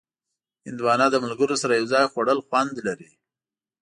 هندوانه د ملګرو سره یو ځای خوړل خوند لري.